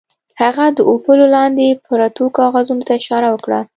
هغه د اپولو لاندې پرتو کاغذونو ته اشاره وکړه